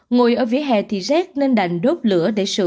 ngồi ở vỉa hè thì rét nên đành đốt lửa